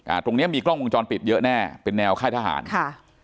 ตรงเนี้ยมีกล้องวงจรปิดเยอะแน่เป็นแนวค่ายทหารค่ะ